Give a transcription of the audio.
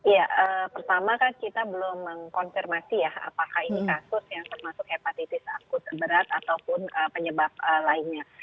ya pertama kan kita belum mengkonfirmasi ya apakah ini kasus yang termasuk hepatitis akut berat ataupun penyebab lainnya